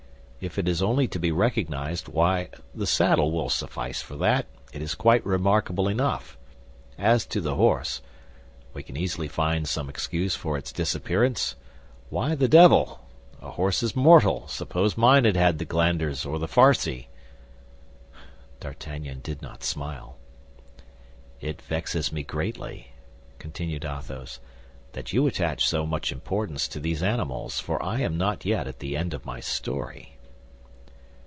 If it is only to be recognized, why the saddle will suffice for that; it is quite remarkable enough. As to the horse, we can easily find some excuse for its disappearance. Why the devil! A horse is mortal; suppose mine had had the glanders or the farcy?" D'Artagnan did not smile. "It vexes me greatly," continued Athos, "that you attach so much importance to these animals, for I am not yet at the end of my story."